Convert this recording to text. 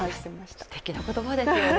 すてきな言葉ですよね。